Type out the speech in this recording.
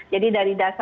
jadi dari dasarnya